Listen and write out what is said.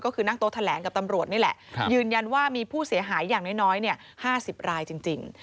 ก็คือนั่งโต๊ะแถลงกับตำรวจนี่แหละยืนยันว่ามีผู้เสียหายอย่างน้อย๕๐รายจริง